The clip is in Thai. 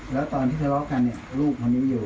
แล้วตอนที่จะรอบกันเนี่ยลูกมันยังไม่อยู่